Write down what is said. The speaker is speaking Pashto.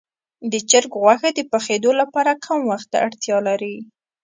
د چرګ غوښه د پخېدو لپاره کم وخت ته اړتیا لري.